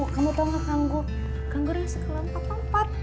kamu tau gak kanggu kanggu yang sekelompok empat